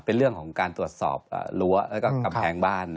เป็นเรื่องของการตรวจสอบรั้วแล้วก็กำแพงบ้าน